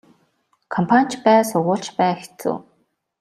Компани ч бай сургууль ч бай хэцүү.